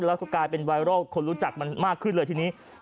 แล้วก็กลายเป็นไวรัลคนรู้จักมันมากขึ้นเลยทีนี้